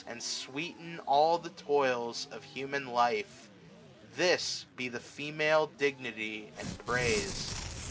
And sweeten all the toils of human life : This be the female dignity, and praise.